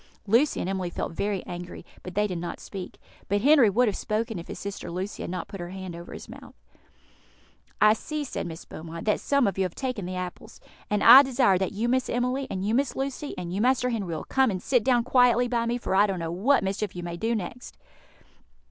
Lucy and Emily felt very angry, but they did not speak; but Henry would have spoken if his sister Lucy had not put her hand on his mouth. "I see," said Miss Beaumont, "that some of you have taken the apples, and I desire that you Miss Emily, and you Miss Lucy, and you Master Henry, will come and sit down quietly by me, for I don't know what mischief you may do next."